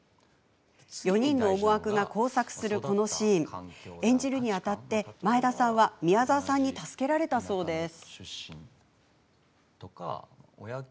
４人の思惑が交錯するこのシーン演じるにあたって前田さんは宮沢さんに助けられたそうです。